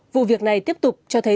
vụ việc này tiếp tục cho thấy